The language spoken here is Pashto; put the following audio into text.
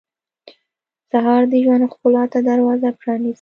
سهار د ژوند ښکلا ته دروازه پرانیزي.